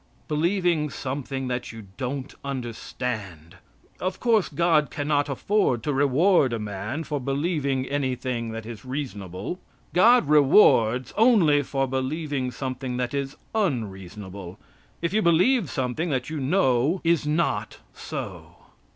Believing something that you don't understand. Of course God cannot afford to reward a man for believing anything that is reasonable. God rewards only for believing something that is unreasonable, if you believe something that you know is not so.